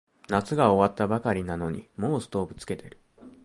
夏が終わったばかりなのにもうストーブつけてる